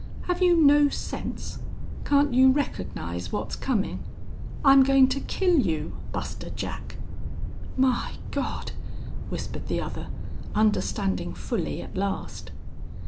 Have you no sense? Can't you recognize what's comin'?... I'm goin' to kill you, Buster Jack!" "My God!" whispered the other, understanding fully at last.